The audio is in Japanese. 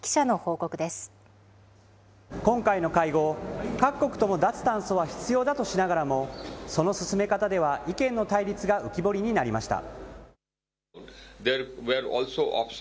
今回の会合、各国とも脱炭素は必要だとしながらも、その進め方では意見の対立が浮き彫りになりました。